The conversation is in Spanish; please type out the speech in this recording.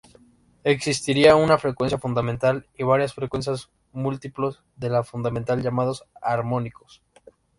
Existiría una frecuencia fundamental y varias frecuencias múltiplos de la fundamental, llamados armónicos.